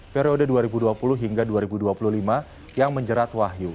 periode dua ribu dua puluh hingga dua ribu dua puluh lima yang menjerat wahyu